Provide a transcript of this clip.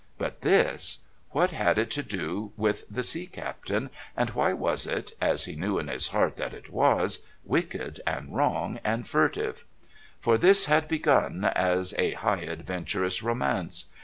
But this? What had it to do with the Sea Captain, and why was it, as he knew in his heart that it was, wicked and wrong and furtive? For this had begun as a high adventurous romance.